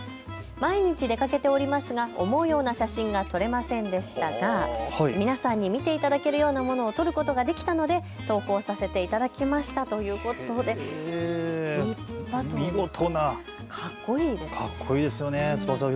毎日出かけておりますが思うような写真が撮れませんでしたが、皆さんに見ていただけるようなものを撮ることができたので投稿させていただきましたということで見事な、かっこいいですね。